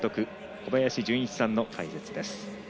小林順一さんの解説です。